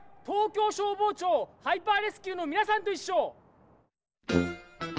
東京消防庁ハイパーレスキューのみなさんといっしょ。